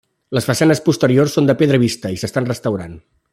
Les façanes posteriors són de pedra vista i s'estan restaurant.